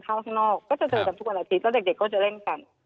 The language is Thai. จริง